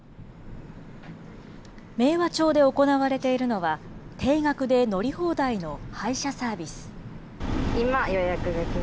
明和町で行われているのは、定額で乗り放題の配車サービス。